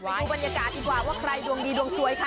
ดูบรรยากาศดีกว่าว่าใครดวงดีดวงสวยค่ะ